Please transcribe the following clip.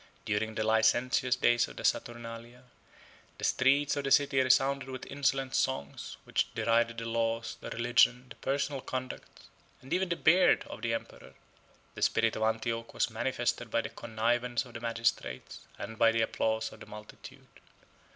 During the licentious days of the Saturnalia, the streets of the city resounded with insolent songs, which derided the laws, the religion, the personal conduct, and even the beard, of the emperor; the spirit of Antioch was manifested by the connivance of the magistrates, and the applause of the multitude.